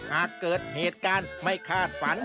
หากเกิดเหตุการณ์ไม่คาดฝัน